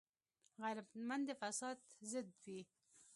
غیرتمند د فساد ضد وي